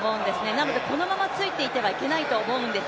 なのでこのままついていてはいけないと思うんです。